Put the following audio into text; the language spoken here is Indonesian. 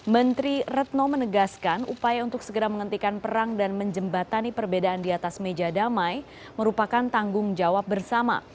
menteri retno menegaskan upaya untuk segera menghentikan perang dan menjembatani perbedaan di atas meja damai merupakan tanggung jawab bersama